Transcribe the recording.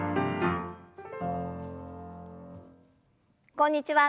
こんにちは。